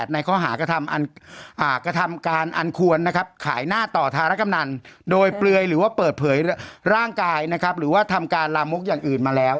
ในข้อหากธรรมการอันควรขายหน้าต่อทารกรรมนั่นโดยเปลื่อยหรือว่าเปิดเผยร่างกายหรือว่าทำการลามกอย่างอื่นมาแล้ว